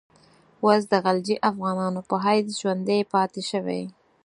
اوس د غلجي افغانانو په حیث ژوندی پاته شوی.